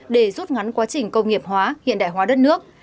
để rút ngắn quá trình công nghiệp hóa hiện đại hóa đất nước